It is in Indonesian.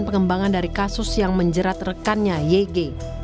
pengembangan dari kasus yang menjerat rekannya yg